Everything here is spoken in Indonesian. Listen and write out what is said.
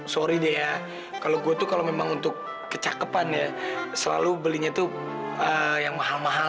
sorry deh ya kalau gue tuh kalau memang untuk kecakepan ya selalu belinya tuh yang mahal mahal